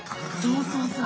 そうそうそう！